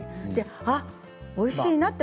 おいしいなって。